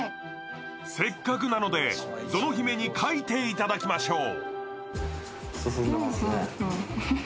せっかくなので、ぞの姫に描いていただきましょう。